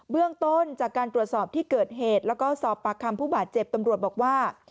เบื้องต้นจากการตรวจสอบที่เกิดเหตุแล้วก็สอบปากคำผู้บาดเจ็บตำรวจบอกว่า